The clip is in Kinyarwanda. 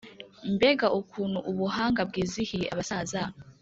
Mbega ukuntu ubuhanga bwizihiye abasaza,